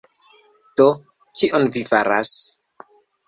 Do, kion vi faras?